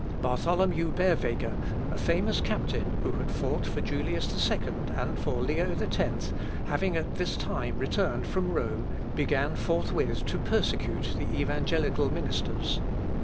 Bartholomew Berweger, a famous captain, who had fought for Julius II and for Leo X, having at this time returned from Rome, began forthwith to persecute the evangelical ministers.